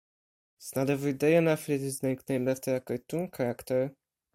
It's not every day an athlete is nicknamed after a cartoon character!